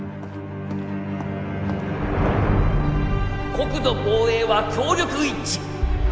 国土防衛は協力一致。